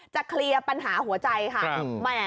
เคลียร์ปัญหาหัวใจค่ะ